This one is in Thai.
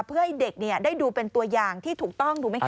เพื่อให้เด็กได้ดูเป็นตัวอย่างที่ถูกต้องถูกไหมค